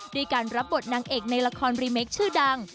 ด้วยการรับบทนางเอกในละครรีเมคชื่อดัง